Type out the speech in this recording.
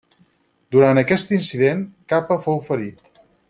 Durant aquest incident, Capa fou ferit.